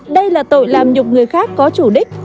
đây là tội làm nhục người khác có chủ đích